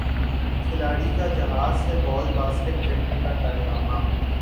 کھلاڑی کا جہاز سے بال باسکٹ کرنے کا کارنامہ